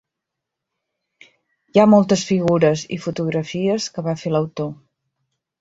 Hi ha moltes figures i fotografies que va fer l'autor.